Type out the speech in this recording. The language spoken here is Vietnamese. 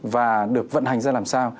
và được vận hành ra làm sao